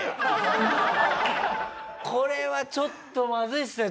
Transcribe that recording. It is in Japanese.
これはちょっとまずいですね